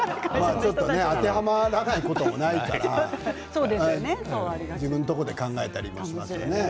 当てはまらないこともないから自分のところで考えたりもしますよね。